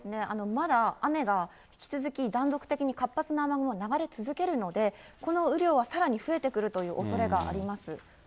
まだ雨が引き続き断続的に活発な雨雲が流れ続けるので、この雨量はさらに増えてくるというおそれがあります。